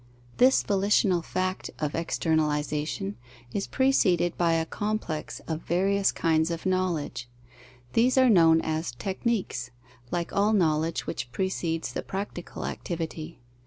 _ This volitional fact of externalization is preceded by a complex of various kinds of knowledge. These are known as techniques, like all knowledge which precedes the practical activity.